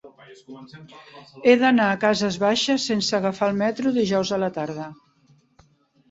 He d'anar a Cases Baixes sense agafar el metro dijous a la tarda.